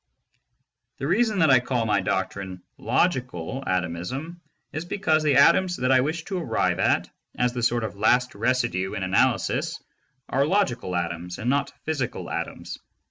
The reason that I call my doctrine logical atomism is because the atoms that I wish to arrive at as the sort of last residue in analysis are logical atoms and not physical atoms.